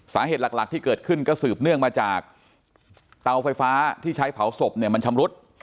สาเหตุหลักที่เกิดขึ้นก็สืบเนื่องมาจากเตาไฟฟ้าที่ใช้เผาศพเนี่ยมันชำรุด